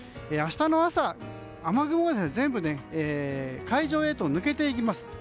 明日の朝、雨雲は全部、海上へと抜けていきます。